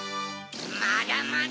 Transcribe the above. まだまだ！